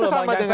itu sama dengan